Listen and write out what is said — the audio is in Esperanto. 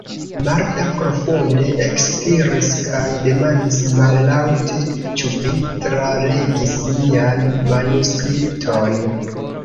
Marta profunde ekspiris kaj demandis mallaŭte: -- Ĉu vi tralegis mian manuskripton?